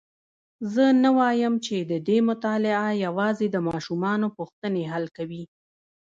زه نه وایم چې ددې مطالعه یوازي د ماشومانو پوښتني حل کوي.